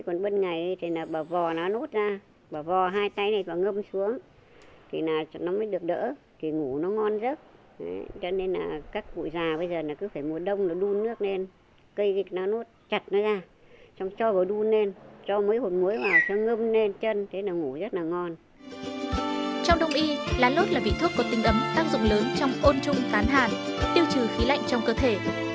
trong đông y lá lốt là vị thuốc có tinh ấm tăng dụng lớn trong ôn trung tán hàn tiêu trừ khó khăn chữa trị chữa trị chữa trị chữa trị chữa trị chữa trị chữa trị